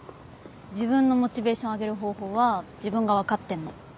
自分のモチベーション上げる方法は自分が分かってんの。